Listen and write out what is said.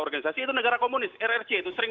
organisasi itu negara komunis rrc itu sering